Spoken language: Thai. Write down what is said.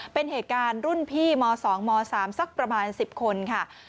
เป็นเหตุการณ์รุ่นพี่ม๒ม๓สักประมาณ๑๐คนค่ะ